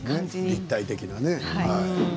立体的にね。